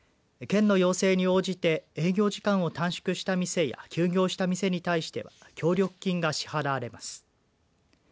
県の要請に応じて営業時間を短縮した店や休業した店に対しては協力金が支払われます。